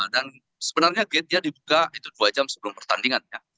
dan sebenarnya gate nya dibuka itu dua jam sebelum pertandingannya